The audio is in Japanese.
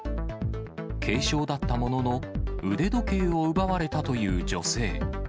軽傷だったものの、腕時計を奪われたという女性。